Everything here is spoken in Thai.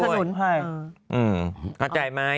อืมเข้าใจไหม